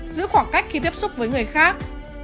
giữ khoảng cách khi tiếp xúc với người khác